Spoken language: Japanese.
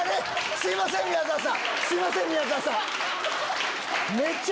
すいません宮沢さん！